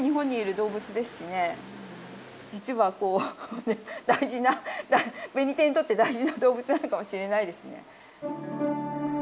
実はベニテンにとって大事な動物なのかもしれないですね。